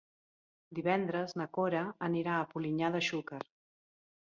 Divendres na Cora anirà a Polinyà de Xúquer.